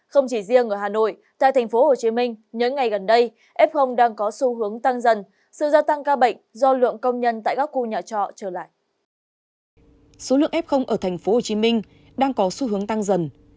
số lượng f ở tp hcm đang có xu hướng tăng dần